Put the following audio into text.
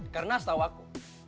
karena setahu aku